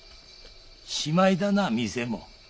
しまいだな店も。